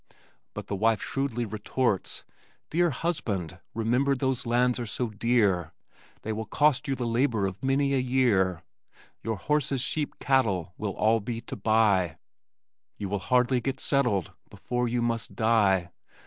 But wife shrewdly retorts: Dear husband, remember those lands are so dear They will cost you the labor of many a year. Your horses, sheep, cattle will all be to buy, You will hardly get settled before you must die.